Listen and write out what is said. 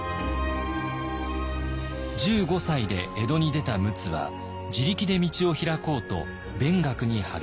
１５歳で江戸に出た陸奥は自力で道を開こうと勉学にはげみます。